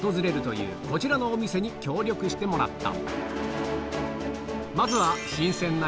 今回特別にこちらのお店に協力してもらった